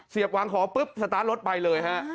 เสียบวางของสตาร์ทรถไปเลย